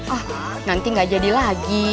ah nanti gak jadi lagi